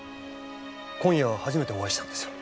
今夜初めてお会いしたんですよ。